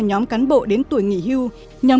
nhóm cán bộ đến tuổi nghỉ hưu nhóm